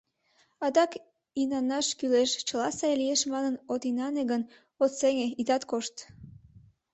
Адак инанаш кӱлеш: чыла сай лиеш манын, от инане гын, от сеҥе, итат кошт.